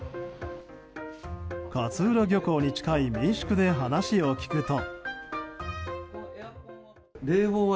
勝浦漁港に近い民宿で話を聞くと。